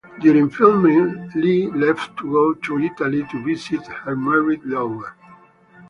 During filming, Lee left to go to Italy to visit her married lover.